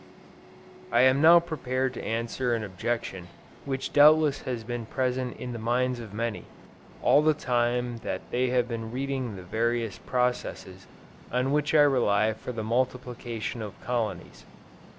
I am now prepared to answer an objection which doubtless has been present in the minds of many, all the time that they have been reading the various processes on which I rely for the multiplication of colonies.